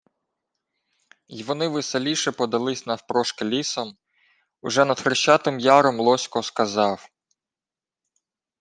Й вони веселіше подались навпрошки лісом. Уже над Хрещатим Яром Лосько сказав: